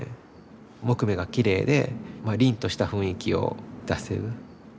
木目がきれいでりんとした雰囲気を出せる。